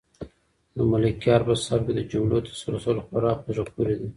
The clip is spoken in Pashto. د ملکیار په سبک کې د جملو تسلسل خورا په زړه پورې دی.